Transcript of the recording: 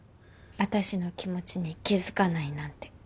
私の気持ちに気付かないなんて。